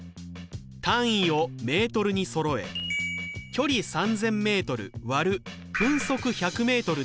単位をメートルにそろえ距離３０００ｍ割る分速１００ｍで時間は３０分。